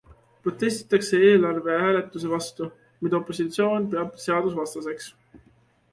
Protestitakse eelarvehääletuse vastu, mida opositsioon peab seadusvastaseks.